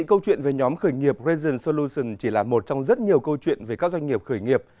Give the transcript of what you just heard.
câu chuyện về nhóm khởi nghiệp radion solution chỉ là một trong rất nhiều câu chuyện về các doanh nghiệp khởi nghiệp